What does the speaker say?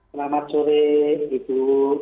selamat sore ibu